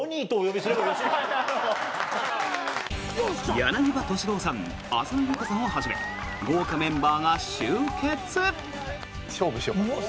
柳葉敏郎さん浅野ゆう子さんをはじめ豪華メンバーが集結。